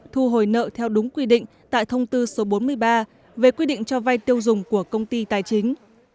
thu hồi nợ theo đúng quy định tại thông tư số bốn mươi ba về quy định cho vay tiêu dùng của công ty tài chính